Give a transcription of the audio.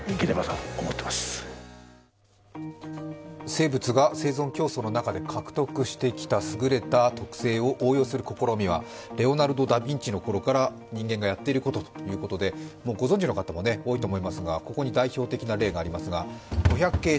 生物が生存競争の中で獲得してきた優れた特性を応用する試みはレオナルド・ダ・ヴィンチの頃から人間がやっていることということで、ご存じのことも多いと思いますがここに代表的な例があります。